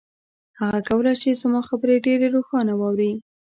هغه کولای شي زما خبرې ډېرې روښانه واوري.